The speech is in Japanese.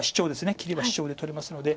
切りはシチョウで取れますので。